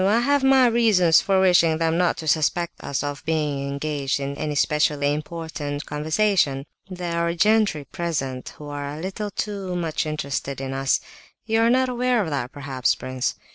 I have my reasons for wishing them not to suspect us of being engaged in any specially important conversation. There are gentry present who are a little too much interested in us. You are not aware of that perhaps, prince?